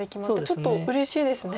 ちょっとうれしいですね。